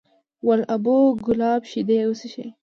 ول ابو کلاب شیدې وڅښه!